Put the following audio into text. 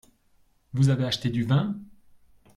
Vous avez acheté du vin ?